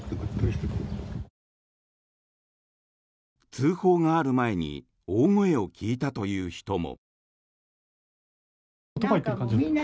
通報がある前に大声を聞いたという人も。